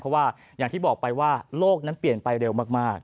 เพราะว่าอย่างที่บอกไปว่าโลกนั้นเปลี่ยนไปเร็วมาก